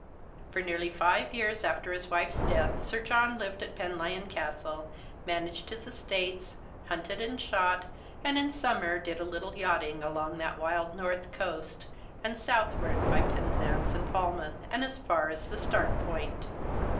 For nearly five years after his wife's death Sir John lived at Penlyon Castle, managed his estates, hunted and shot, and in summer did a little yachting along that wild north coast, and southward by Penzance and Falmouth, and as far as the Start Point.